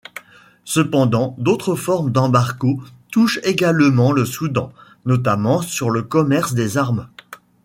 Cependant d'autres formes d'embargos touchent également le Soudan, notamment sur le commerce des armes.